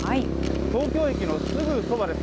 東京駅のすぐそばです。